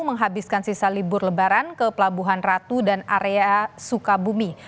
menghabiskan sisa libur lebaran ke pelabuhan ratu dan area sukabumi